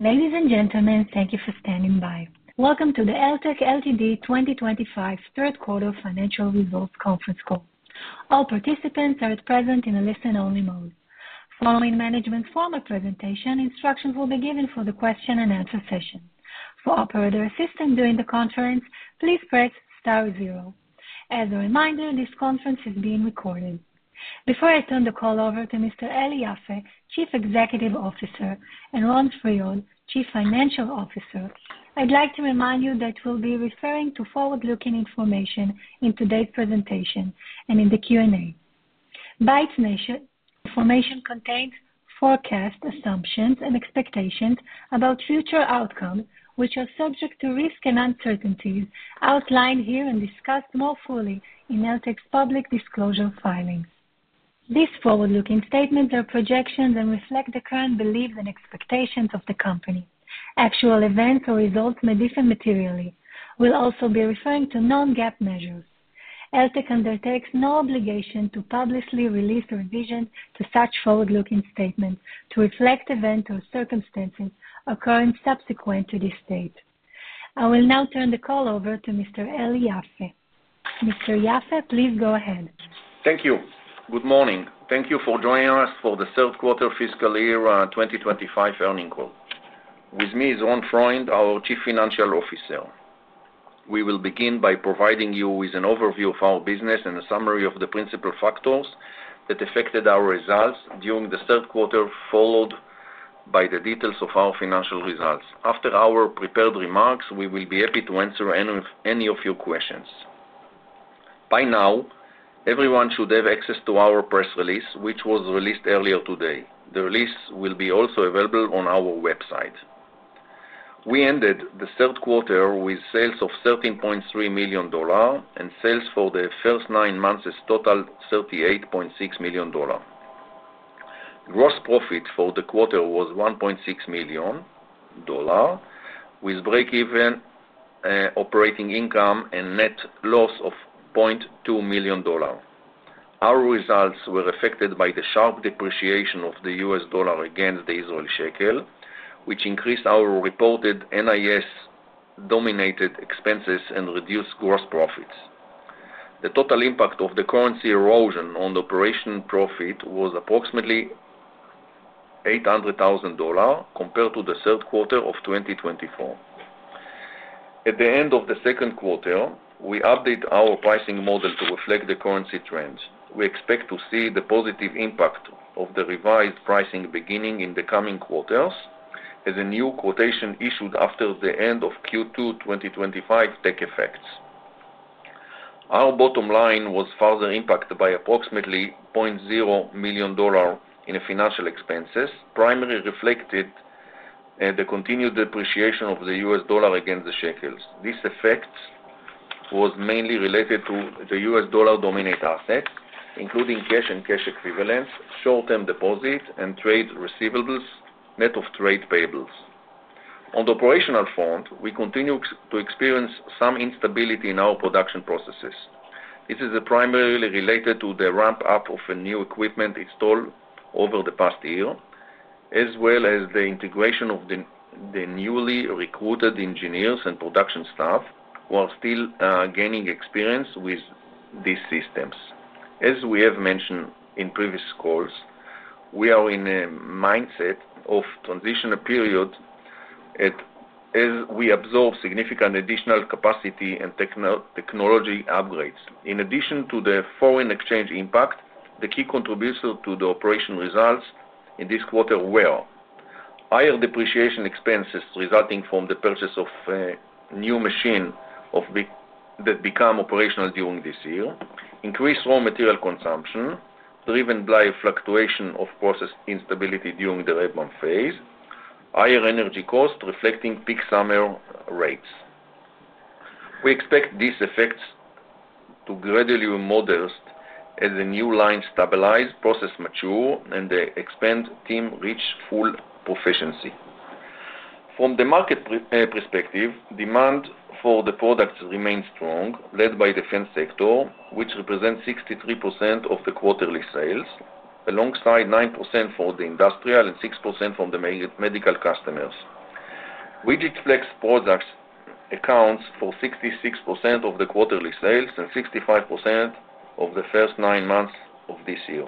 Ladies and gentlemen, thank you for standing by. Welcome to the Eltek Ltd 2025 Third Quarter Financial Results Conference Call. All participants are at present in a listen-only mode. Following management's formal presentation, instructions will be given for the question-and-answer session. For operator assistance during the conference, please press star zero. As a reminder, this conference is being recorded. Before I turn the call over to Mr. Eli Yaffe, Chief Executive Officer, and Ron Freund, Chief Financial Officer, I'd like to remind you that we'll be referring to forward-looking information in today's presentation and in the Q&A. By its nature, information contains forecast assumptions and expectations about future outcomes, which are subject to risks and uncertainties, outlined here and discussed more fully in Eltek's public disclosure filings. These forward-looking statements are projections and reflect the current beliefs and expectations of the company. Actual events or results may differ materially. We'll also be referring to non-GAAP measures. Eltek undertakes no obligation to publicly release revisions to such forward-looking statements to reflect events or circumstances occurring subsequent to this date. I will now turn the call over to Mr. Eli Yaffe. Mr. Yaffe, please go ahead. Thank you. Good morning. Thank you for joining us for the Third Quarter Fiscal Year 2025 earning call. With me is Ron Freund, our Chief Financial Officer. We will begin by providing you with an overview of our business and a summary of the principal factors that affected our results during the Third Quarter, followed by the details of our financial results. After our prepared remarks, we will be happy to answer any of your questions. By now, everyone should have access to our press release, which was released earlier today. The release will be also available on our website. We ended the Third Quarter with sales of $13.3 million, and sales for the first nine months is total $38.6 million. Gross profit for the quarter was $1.6 million, with break-even, operating income, and net loss of $0.2 million. Our results were affected by the sharp depreciation of the US dollar against the Israeli shekel, which increased our reported NIS-dominated expenses and reduced gross profits. The total impact of the currency erosion on operation profit was approximately $800,000 compared to the third quarter of 2024. At the end of the second quarter, we updated our pricing model to reflect the currency trends. We expect to see the positive impact of the revised pricing beginning in the coming quarters as a new quotation issued after the end of Q2 2025 takes effect. Our bottom line was further impacted by approximately $0.0 million in financial expenses, primarily reflecting the continued depreciation of the US dollar against the shekels. This effect was mainly related to the US dollar-dominated assets, including cash and cash equivalents, short-term deposits, and trade receivables, net of trade payables. On the operational front, we continue to experience some instability in our production processes. This is primarily related to the ramp-up of new equipment installed over the past year, as well as the integration of the newly recruited engineers and production staff who are still gaining experience with these systems. As we have mentioned in previous calls, we are in a mindset of transition period as we absorb significant additional capacity and technology upgrades. In addition to the foreign exchange impact, the key contributors to the operational results in this quarter were: higher depreciation expenses resulting from the purchase of new machines that became operational during this year, increased raw material consumption driven by fluctuations of process instability during the ramp-up phase, and higher energy costs reflecting peak summer rates. We expect these effects to gradually be modest as the new lines stabilize, processes mature, and the expense team reaches full proficiency. From the market perspective, demand for the products remains strong, led by the defense sector, which represents 63% of the quarterly sales, alongside 9% for the industrial and 6% for the medical customers. RigidFlex products account for 66% of the quarterly sales and 65% of the first nine months of this year.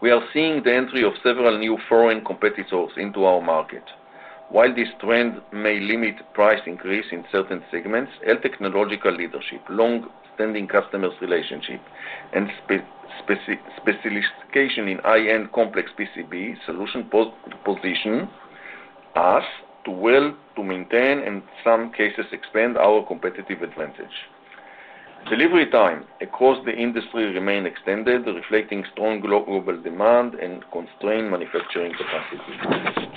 We are seeing the entry of several new foreign competitors into our market. While this trend may limit price increases in certain segments, Eltek's technological leadership, long-standing customer relationship, and specialization in high-end complex PCB solutions position us well to maintain and, in some cases, expand our competitive advantage. Delivery time across the industry remains extended, reflecting strong global demand and constrained manufacturing capacity.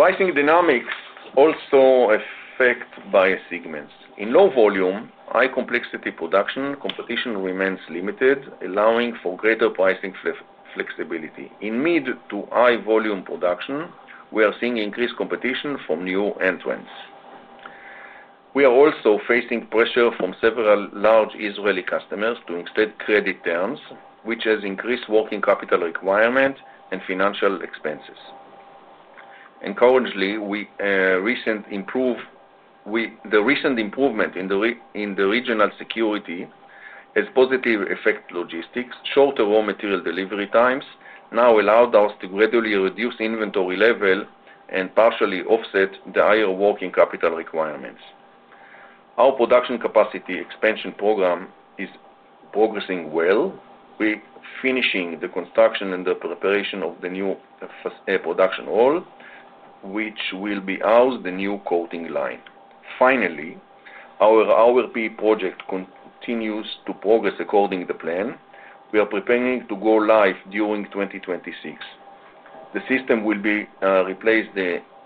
Pricing dynamics are also affected by segments. In low-volume, high-complexity production, competition remains limited, allowing for greater pricing flexibility. In mid to high-volume production, we are seeing increased competition from new entrants. We are also facing pressure from several large Israeli customers to extend credit terms, which has increased working capital requirements and financial expenses. Recent improvement in the regional security has positively affected logistics. Shorter raw material delivery times now allow us to gradually reduce inventory levels and partially offset the higher working capital requirements. Our production capacity expansion program is progressing well. We are finishing the construction and the preparation of the new production hall, which will be housed in the new coating line. Finally, our RP project continues to progress according to plan. We are preparing to go live during 2026. The system will replace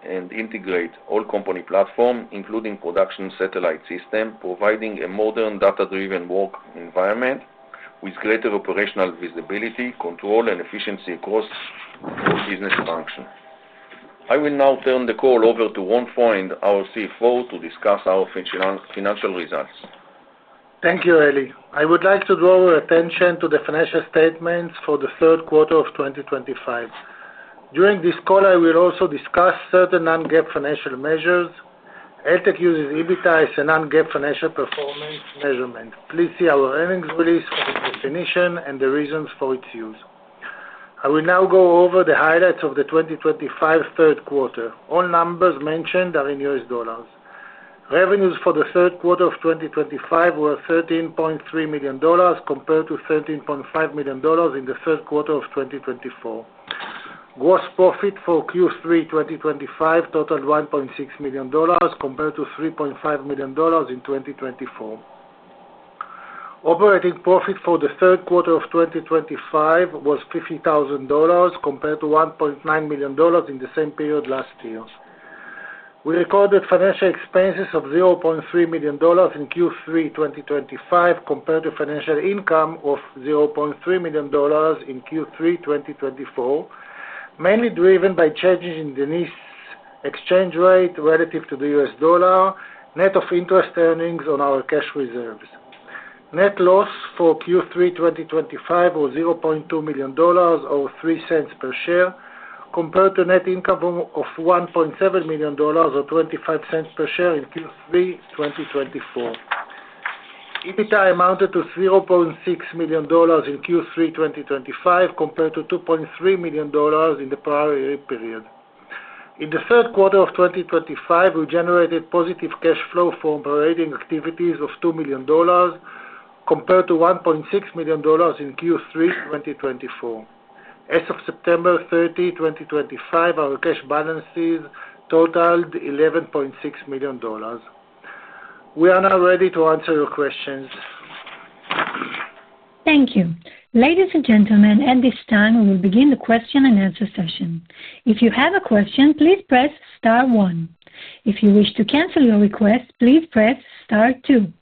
and integrate all company platforms, including the production satellite system, providing a modern data-driven work environment with greater operational visibility, control, and efficiency across business functions. I will now turn the call over to Ron Freund, our CFO, to discuss our financial results. Thank you, Eli. I would like to draw your attention to the financial statements for the Third Quarter of 2025. During this call, I will also discuss certain non-GAAP financial measures. Eltek uses EBITDA as a non-GAAP financial performance measurement. Please see our earnings release for the definition and the reasons for its use. I will now go over the highlights of the 2025 Third Quarter. All numbers mentioned are in US dollars. Revenues for the Third Quarter of 2025 were $13.3 million compared to $13.5 million in the Third Quarter of 2024. Gross profit for Q3 2025 totaled $1.6 million compared to $3.5 million in 2024. Operating profit for the Third Quarter of 2025 was $50,000 compared to $1.9 million in the same period last year. We recorded financial expenses of $0.3 million in Q3 2025 compared to financial income of $0.3 million in Q3 2024, mainly driven by changes in the exchange rate relative to the US dollar, net of interest earnings on our cash reserves. Net loss for Q3 2025 was $0.2 million, or $0.03 per share, compared to net income of $1.7 million, or $0.25 per share in Q3 2024. EBITDA amounted to $0.6 million in Q3 2025 compared to $2.3 million in the prior year period. In the third quarter of 2025, we generated positive cash flow for operating activities of $2 million compared to $1.6 million in Q3 2024. As of September 30, 2025, our cash balances totaled $11.6 million. We are now ready to answer your questions. Thank you. Ladies and gentlemen, at this time, we will begin the question-and-answer session. If you have a question, please press star one. If you wish to cancel your request, please press star two.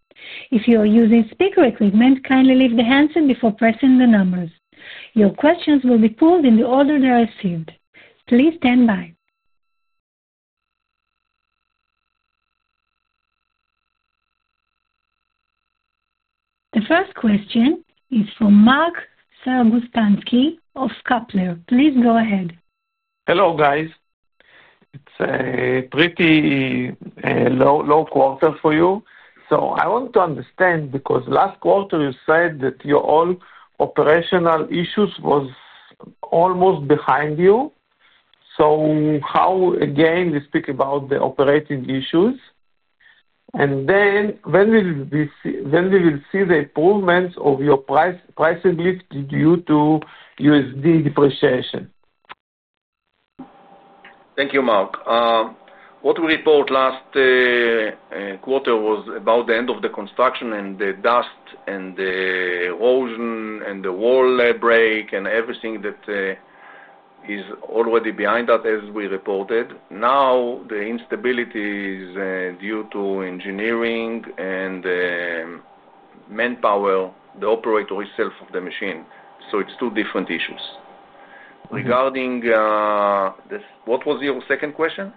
If you are using speaker equipment, kindly lift the handset before pressing the numbers. Your questions will be pulled in the order they are received. Please stand by. The first question is for Mark Sergustanski of Kappler. Please go ahead. Hello, guys. It's a pretty low quarter for you. I want to understand because last quarter you said that your operational issues were almost behind you. How, again, you speak about the operating issues? When will we see the improvements of your pricing lift due to USD depreciation? Thank you, Mark. What we reported last quarter was about the end of the construction and the dust and the erosion and the wall break and everything that is already behind that, as we reported. Now, the instability is due to engineering and manpower, the operator itself of the machine. So it's two different issues. Regarding what was your second question?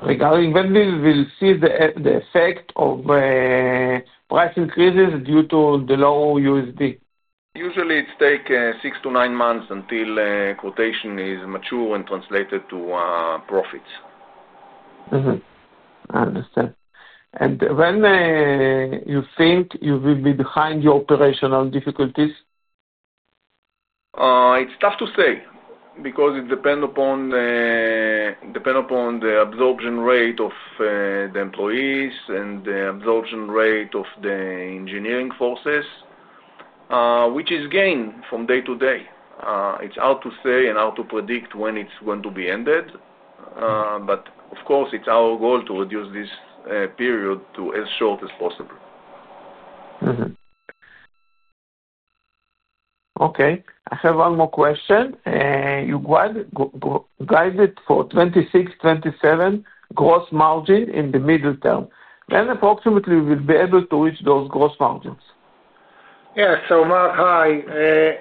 Regarding when we will see the effect of price increases due to the low US dollar? Usually, it takes six to nine months until quotation is mature and translated to profits. I understand. When do you think you will be behind your operational difficulties? It's tough to say because it depends upon the absorption rate of the employees and the absorption rate of the engineering forces, which is gained from day to day. It's hard to say and hard to predict when it's going to be ended. Of course, it's our goal to reduce this period to as short as possible. Okay. I have one more question. You guided for 26%-27% gross margin in the middle term. When approximately will we be able to reach those gross margins? Yes. Mark, hi.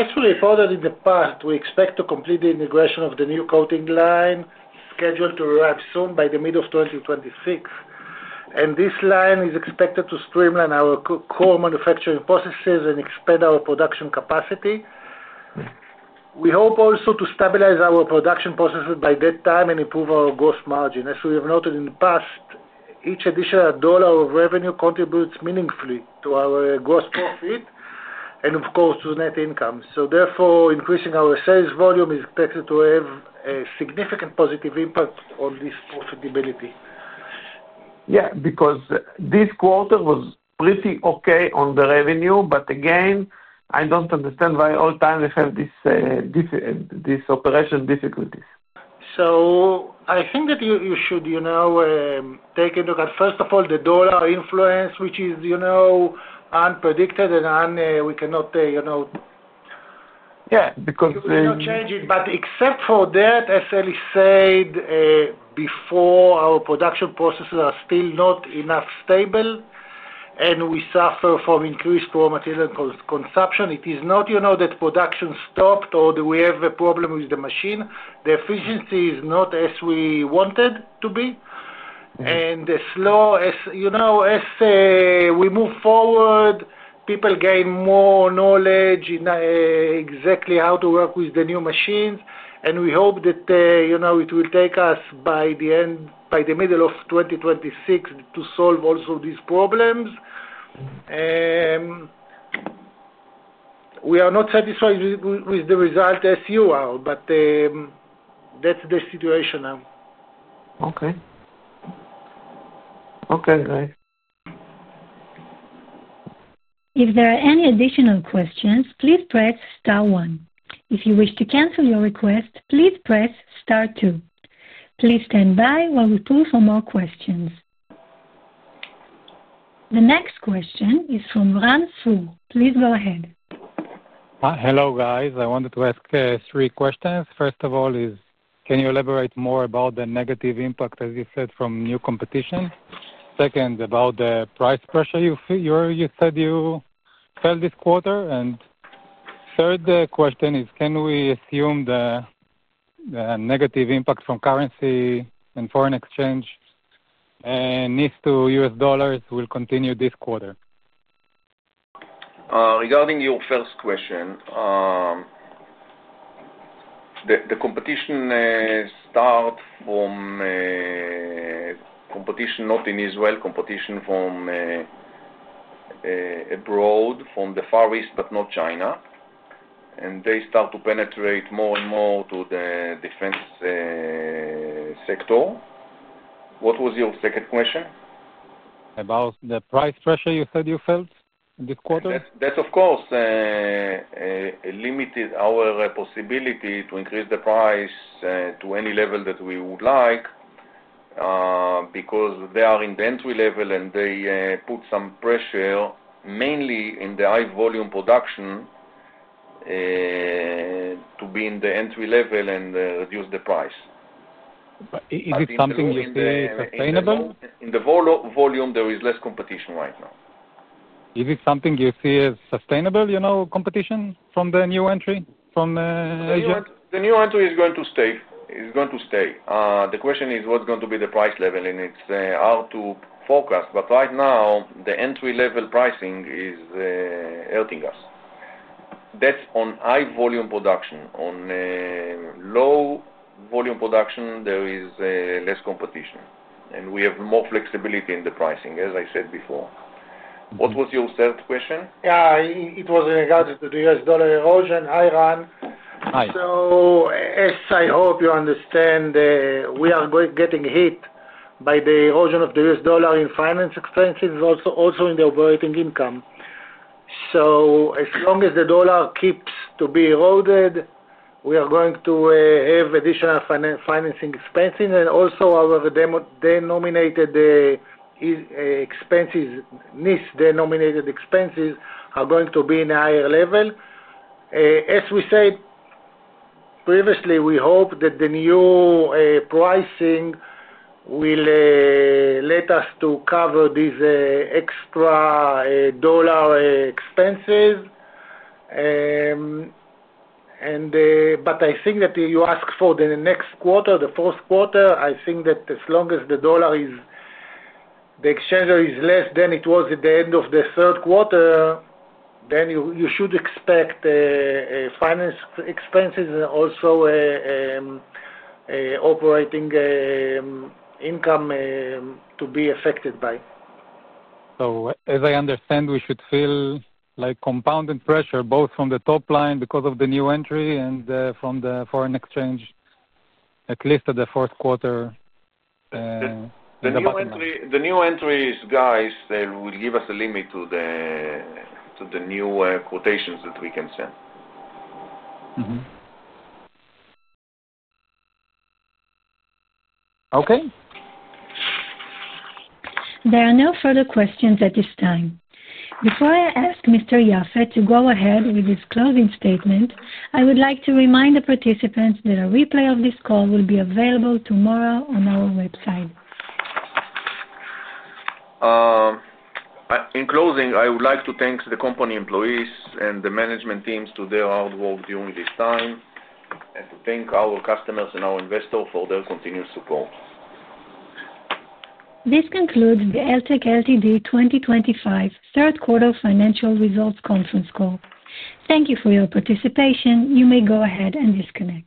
Actually, further in the past, we expect to complete the integration of the new coating line scheduled to arrive soon by the middle of 2026. This line is expected to streamline our core manufacturing processes and expand our production capacity. We hope also to stabilize our production processes by that time and improve our gross margin. As we have noted in the past, each additional dollar of revenue contributes meaningfully to our gross profit and, of course, to net income. Therefore, increasing our sales volume is expected to have a significant positive impact on this profitability. Yeah, because this quarter was pretty okay on the revenue. But again, I don't understand why all the time we have these operational difficulties. I think that you should take a look at, first of all, the dollar influence, which is unpredicted and we cannot. Yeah, because. We cannot change it. Except for that, as Eli said before, our production processes are still not stable enough, and we suffer from increased raw material consumption. It is not that production stopped or that we have a problem with the machine. The efficiency is not as we want it to be. As we move forward, people gain more knowledge in exactly how to work with the new machines. We hope that it will take us by the middle of 2026 to solve also these problems. We are not satisfied with the result as you are, but that's the situation now. Okay. Okay, Eli. If there are any additional questions, please press star one. If you wish to cancel your request, please press star two. Please stand by while we poll for more questions. The next question is from Ron Freund. Please go ahead. Hello, guys. I wanted to ask three questions. First of all, can you elaborate more about the negative impact, as you said, from new competition? Second, about the price pressure you said you felt this quarter. Third question is, can we assume the negative impact from currency and foreign exchange and NIS to US dollars will continue this quarter? Regarding your first question, the competition starts from competition not in Israel, competition from abroad from the Far East, but not China. They start to penetrate more and more to the defense sector. What was your second question? About the price pressure you said you felt this quarter? That's, of course, limited our possibility to increase the price to any level that we would like because they are in the entry level, and they put some pressure mainly in the high-volume production to be in the entry level and reduce the price. Is it something you see sustainable? In the volume, there is less competition right now. Is it something you see as sustainable, competition from the new entry from Asia? The new entry is going to stay. It's going to stay. The question is, what's going to be the price level? It's hard to forecast. Right now, the entry-level pricing is hurting us. That's on high-volume production. On low-volume production, there is less competition. We have more flexibility in the pricing, as I said before. What was your third question? Yeah. It was regarding the US dollar erosion. Hi, Ron. Hi. As I hope you understand, we are getting hit by the erosion of the US dollar in finance expenses, also in the operating income. As long as the dollar keeps to be eroded, we are going to have additional financing expenses. Also, our denominated expenses, NIS denominated expenses, are going to be in a higher level. As we said previously, we hope that the new pricing will let us cover these extra dollar expenses. I think that you asked for the next quarter, the fourth quarter. I think that as long as the dollar is the exchange rate is less than it was at the end of the third quarter, then you should expect finance expenses and also operating income to be affected by. As I understand, we should feel compounded pressure both from the top line because of the new entry and from the foreign exchange, at least at the fourth quarter. The new entries, guys, will give us a limit to the new quotations that we can send. Okay. There are no further questions at this time. Before I ask Mr. Yaffe to go ahead with his closing statement, I would like to remind the participants that a replay of this call will be available tomorrow on our website. In closing, I would like to thank the company employees and the management teams for their hard work during this time and to thank our customers and our investors for their continued support. This concludes the Eltek Eli Yaffe 2025 Third Quarter Financial Results Conference Call. Thank you for your participation. You may go ahead and disconnect.